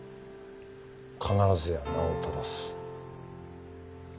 「必ずや名を正す」。